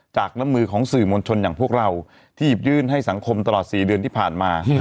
จากน้ำมือของสื่อมวลชนอย่างพวกเราที่หยิบยื่นให้สังคมตลอด๔เดือนที่ผ่านมา